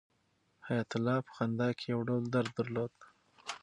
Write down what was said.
حیات الله په خندا کې یو ډول درد درلود.